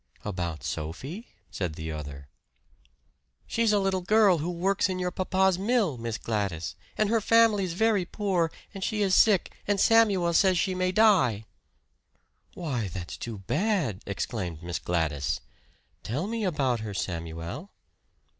"About Sophie?" said the other. "She's a little girl who works in your papa's mill, Miss Gladys. And her family's very poor, and she is sick, and Samuel says she may die." "Why, that's too bad!" exclaimed Miss Gladys. "Tell me about her, Samuel."